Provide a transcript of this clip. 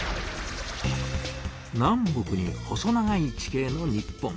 南北に細長い地形の日本。